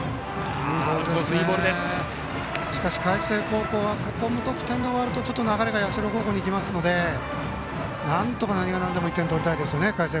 海星高校はここ、無得点で終わると流れが社高校にきますのでなんとか１点取りたいですね。